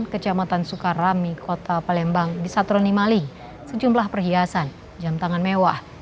kejamatan sukarami kota palembang di satroni maling sejumlah perhiasan jam tangan mewah